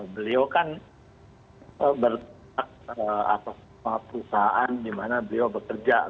beliau kan bertempat atau perusahaan di mana beliau bekerja